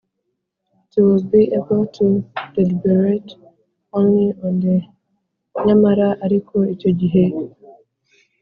it will be able to deliberate only on the Nyamara ariko icyo gihe